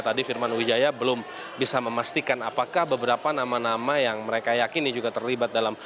tadi firman wijaya belum bisa memastikan apakah beberapa nama nama yang mereka yakini juga terlibat dalam